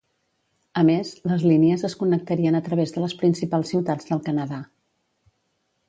A més, les línies es connectarien a través de les principals ciutats del Canadà.